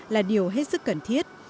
là điều hết sức cần thiết